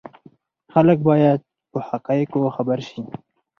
خلک باید په حقایقو خبر شي.